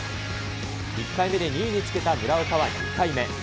１回目で２位につけた村岡は２回目。